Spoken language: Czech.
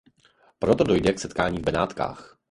Proto dojde k setkání v Benátkách.